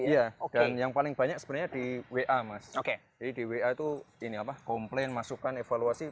iya dan yang paling banyak sebenarnya di wa mas oke jadi di wa itu ini apa komplain masukan evaluasi